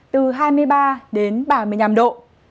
từ hai mươi ba đến ba mươi năm độ